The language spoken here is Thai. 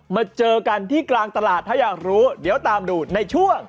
มาเจอกันที่กลางตลาดถ้าอยากรู้เดี๋ยวตามดูในช่วง